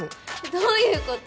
どういうこと？